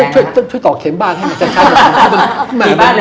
ช่วยต่อกแขมบ้านให้มันออกมา